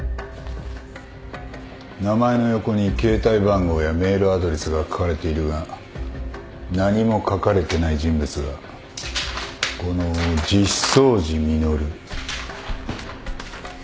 名前の横に携帯番号やメールアドレスが書かれているが何も書かれてない人物がこの実相寺実。